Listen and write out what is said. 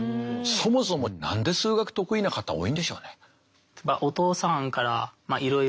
そもそも何で数学得意な方多いんでしょうね。